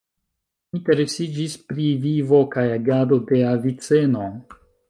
Interesiĝis pri vivo kaj agado de Aviceno.